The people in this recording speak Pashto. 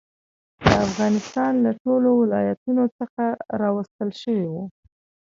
د افغانستان له ټولو ولایتونو څخه راوستل شوي وو.